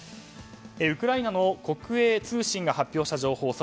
ウクライナの国営通信が発表した情報。